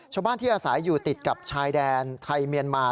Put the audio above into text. ชาวบ้านที่อาศัยอยู่ติดกับชายแดนไทยเมียนมา